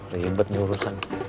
ribet nih urusan